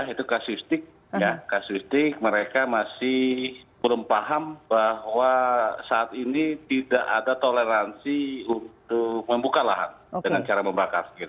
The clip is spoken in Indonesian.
itu kasuistik ya kasuistik mereka masih belum paham bahwa saat ini tidak ada toleransi untuk membuka lahan dengan cara membakar